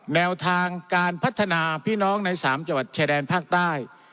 แนวทางการพัฒนาพี่น้องใน๓จังหวัดชายแดนภาคใต้